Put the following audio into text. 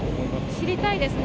知りたいですね。